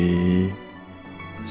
sayangnya aja saya terlalu keras